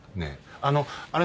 あのあれ